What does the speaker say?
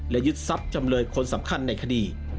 และยึดทรัพย์จำเลยคนสำคัญในคดี